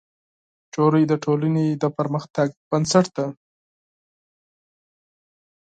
نجلۍ د ټولنې د پرمختګ بنسټ ده.